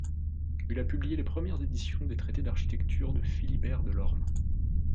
Il a publié les premières éditions des traités d'architecture de Philibert De l'Orme.